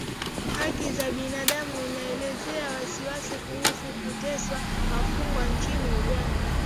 Haki za binadamu inaelezea wasiwasi kuhusu kuteswa wafungwa nchini Uganda